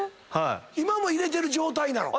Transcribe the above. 今も入れてる状態なの？